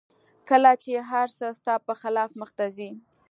کله چې هر څه ستا په خلاف مخته ځي